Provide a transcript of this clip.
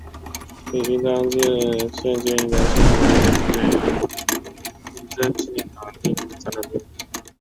此勋章现今仍收藏于台北中正纪念堂内的展览厅。